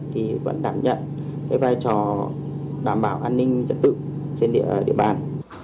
thì vẫn đảm nhận cái vai trò đảm bảo an ninh trật tự trên địa bàn